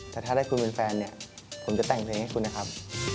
แต่ถ้าได้คุณเป็นแฟนเนี่ยผมจะแต่งเพลงให้คุณนะครับ